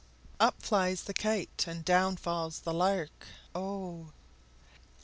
Up flies the kite, And down falls the lark, O!